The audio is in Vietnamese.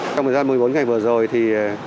trong thời gian một mươi bốn ngày vừa rồi thì